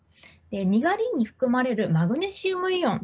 にがりに含まれるマグネシウムイオン。